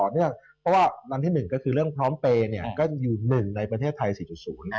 เพราะว่าเรื่องพร้อมเปย์ก็อยู่๑ในประเทศไทย๔๐